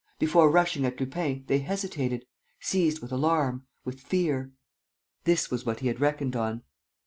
Before rushing at Lupin, they hesitated, seized with alarm, with fear. ... This was what he had reckoned on.